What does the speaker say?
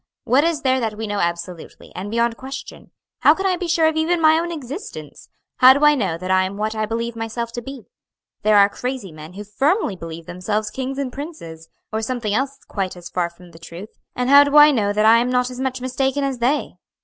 What is there that we know absolutely, and beyond question? how can I be sure of even my own existence? how do I know that I am what I believe myself to be? There are crazy men who firmly believe themselves kings and princes, or something else quite as far from the truth; and how do I know that I am not as much mistaken as they?"